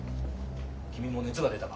君も熱が出たか。